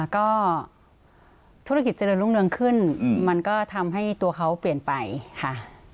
ก็ธุรกิจเจริญรุ่งเรืองขึ้นมันก็ทำให้ตัวเขาเปลี่ยนไปค่ะ